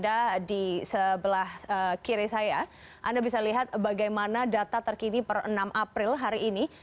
anda di sebelah kiri saya anda bisa lihat bagaimana data terkini per enam april hari ini